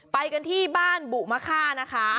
ไปกันที่บ้านบุมะค่านะคะ